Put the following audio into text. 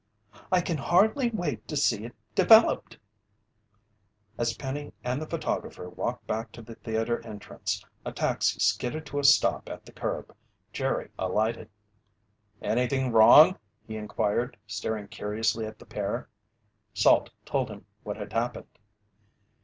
"I can hardly wait to see it developed!" As Penny and the photographer walked back to the theater entrance, a taxi skidded to a stop at the curb. Jerry alighted. "Anything wrong?" he inquired, staring curiously at the pair. Salt told him what had happened.